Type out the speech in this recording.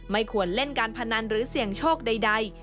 ไม่ควรเล่นการพนันหรือเสี่ยงโชคใด